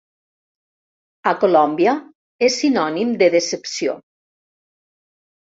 A Colòmbia és sinònim de decepció.